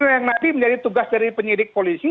itu yang nanti menjadi tugas dari penyidik polisi